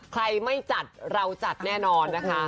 ใครไม่จัดเราจัดแน่นอนนะคะ